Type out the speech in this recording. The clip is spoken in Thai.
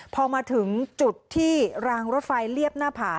พอมาถึงจุดที่รางรถไฟเรียบหน้าผา